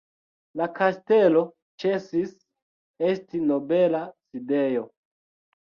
La kastelo ĉesis esti nobela sidejo.